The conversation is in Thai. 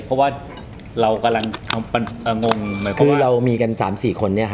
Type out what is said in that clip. เพราะว่าเรากำลังทำเอ่องงเหมือนกับคือเรามีกันสามสี่คนเนี้ยค่ะ